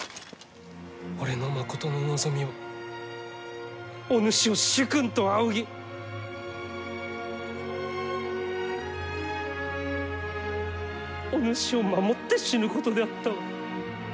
俺のまことの望みはお主を主君と仰ぎお主を守って死ぬことであったわ。